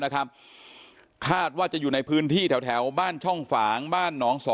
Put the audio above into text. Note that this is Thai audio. คาดว่าจะอยู่ในพื้นที่แถวบ้านช่องฝางบ้านหนองสอ